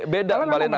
beda mbak lena